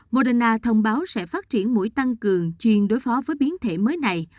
moderna thông báo sẽ phát triển mũi tăng cường chuyên đối phó với biến thể mới này